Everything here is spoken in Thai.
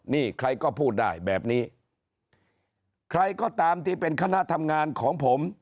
นี่ใครก็พูดได้แบบนี้ใครก็ตามที่เป็นคณะทำงานของผม